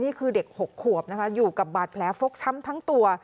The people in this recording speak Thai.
นี่คือเด็ก๖ขวบนะคะอยู่กับบาดแผลฟกช้ำทั้งตัว